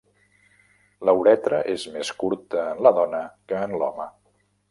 La uretra és més curta en la dona que en l'home.